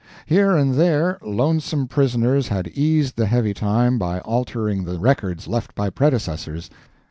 Here and there, lonesome prisoners had eased the heavy time by altering the records left by predecessors.